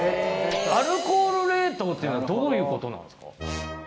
アルコール冷凍っていうのはどういうことなんすか？